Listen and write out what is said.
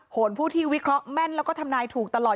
นผู้ที่วิเคราะห์แม่นแล้วก็ทำนายถูกตลอด